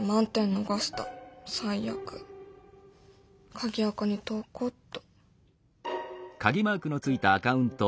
鍵アカに投稿っと。